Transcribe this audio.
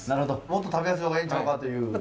もっと食べやすい方がええんちゃうかっていう。